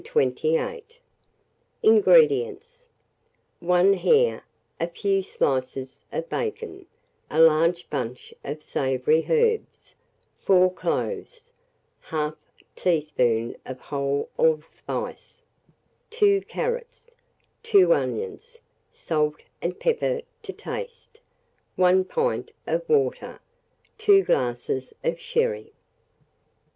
INGREDIENTS. 1 hare, a few slices of bacon, a large bunch of savoury herbs, 4 cloves, 1/2 teaspoonful of whole allspice, 2 carrots, 2 onions, salt and pepper to taste, 1 pint of water, 2 glasses of sherry.